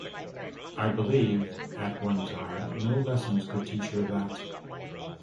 I believed, at one time, no lessons could teach her that!